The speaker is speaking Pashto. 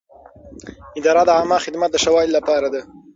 اداره د عامه خدمت د ښه والي لپاره ده.